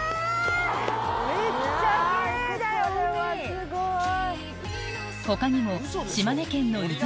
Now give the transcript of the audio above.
これはすごい！